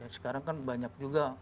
sekarang kan banyak juga